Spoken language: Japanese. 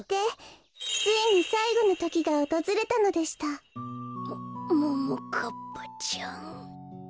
ついにさいごのときがおとずれたのでしたもももかっぱちゃん。